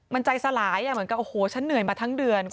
มันใจสลายเหมือนกับโอ้โหฉันเหนื่อยมาทั้งเดือน